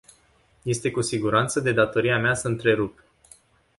Este cu siguranță de datoria mea să întrerup.